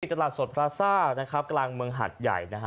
ตลาดสดพลาซ่านะครับกลางเมืองหัดใหญ่นะฮะ